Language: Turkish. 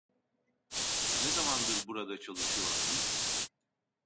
Ne zamandır burada çalışıyorsun?